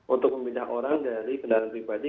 untuk memindah orang dari kendaraan pribadi